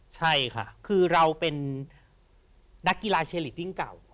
ใช่ค่ะคือเราเป็นนักกีฬาเชลิตติ้งเก่า